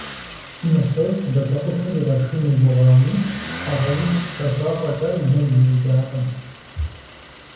Мысост батэкъутэр игъэшын и гугъами, щхьэгъэуз хэхуа фӀэкӀа, и нэгу зиужьакъым.